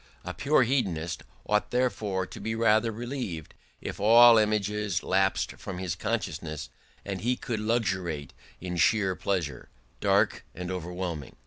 A pure hedonist ought therefore to be rather relieved if all images lapsed from his consciousness and he could luxuriate in sheer pleasure, dark and overwhelming.